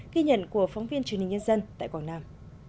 ghi nhận của phóng viên truyền hình nhân dân tại quảng nam